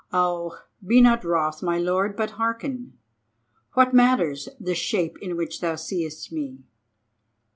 Oh, be not wroth, my lord, but hearken. What matters the shape in which thou seest me?